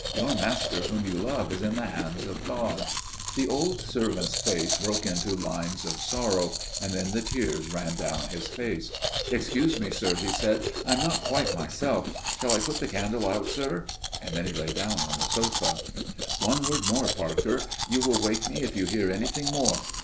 Your master whom you love is in the hands of God." The old servant's face broke into lines of sorrow; and then the tears ran down his face. "Excuse me, sir," he said, "I am not quite myself. Shall I put the candle out, sir?" Then he lay down on the sofa. "One word more, Parker. You will wake me if you hear anything more.